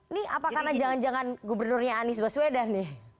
ini apa karena jangan jangan gubernurnya anies baswedan nih